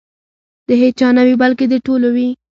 د هیچا نه وي بلکې د ټولو وي.